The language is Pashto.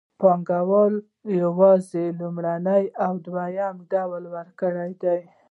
پانګوال یوازې لومړنی او دویم ډول ورکړي دي